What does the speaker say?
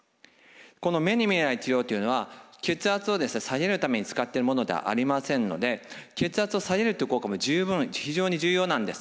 この目に見えない治療というのは血圧を下げるために使ってるものではありませんので血圧を下げるという効果も十分非常に重要なんです。